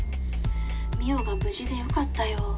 「望緒が無事でよかったよ」